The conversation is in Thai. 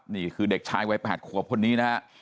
นี่คือเด็กชายวัย๘ขวบคนนี้นะฮะ